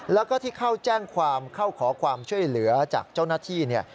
แล้วก็ที่เข้าแจ้งความเข้าขอความช่วยเหลือจากเจ้าหน้าที่เนี่ย